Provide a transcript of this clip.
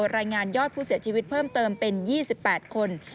รายงานยอดผู้เสียชีวิตเพิ่มเติมเป็น๒๘คน